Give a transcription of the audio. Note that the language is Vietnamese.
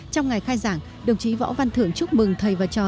trong ngày khai giảng đồng chí võ văn thưởng chúc mừng thầy và trò